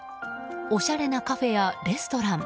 おしゃれなカフェやレストラン。